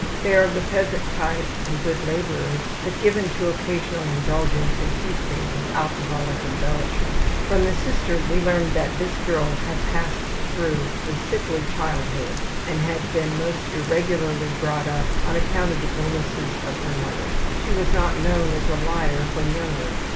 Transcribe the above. They are of the peasant type and good laborers, but given to occasional indulgence in feasting with alcoholic embellishments. From the sister we learned that this girl had passed through a sickly childhood and had been most irregularly brought up on account of the illnesses of her mother. She was not known as a liar when younger.